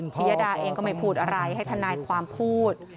ยดาเองก็ไม่พูดอะไรให้ทนายความพูด